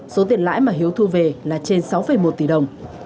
số tiền lãi mà hiếu thu về là trên sáu một tỷ đồng